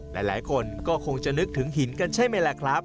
หลายคนก็คงจะนึกถึงหินกันใช่ไหมล่ะครับ